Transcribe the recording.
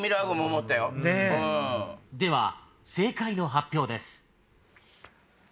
では正解の発表です。